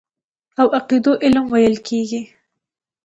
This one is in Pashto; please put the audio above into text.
او عقيدو علم ويل کېږي.